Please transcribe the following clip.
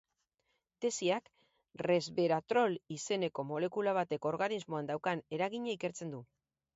Tesiak resveratrol izeneko molekula batek organismoan daukan eragina ikertzen du.